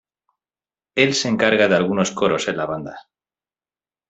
Él se encarga de alguno coros en la banda.